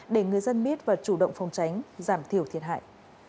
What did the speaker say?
để người dân biết và chủ động phòng tránh giảm thiểu thiệt hại